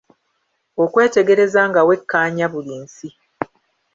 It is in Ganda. Okwetegereza nga wekkaanya buli nsi.